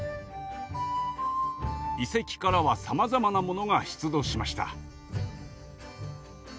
遺跡からはさまざまなものが出土しました。